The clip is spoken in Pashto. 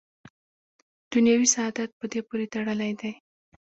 دنیوي سعادت په دې پورې تړلی دی.